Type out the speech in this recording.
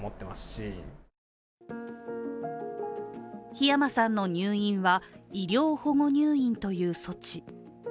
火山さんの入院は医療保護入院という措置。